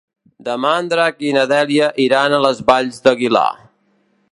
Demà en Drac i na Dèlia iran a les Valls d'Aguilar.